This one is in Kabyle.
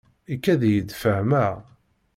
Ikad-iyi-d fehmeɣ.